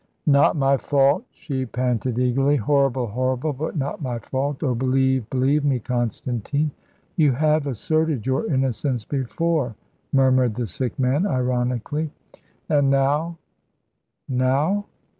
"Not my fault," she panted eagerly; "horrible, horrible but not my fault! Oh, believe believe me, Constantine." "You have asserted your innocence before," murmured the sick man, ironically; "and now " "Now?"